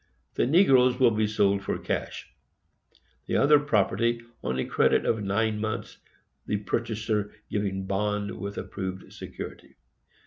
The Negroes will be sold for cash; the other property on a credit of nine months, the purchaser giving bond, with approved security.